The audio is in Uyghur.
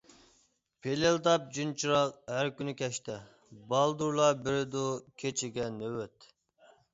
پىلىلداپ جىنچىراغ ھەر كۈنى كەچتە، بالدۇرلا بېرىدۇ كېچىگە نۆۋەت.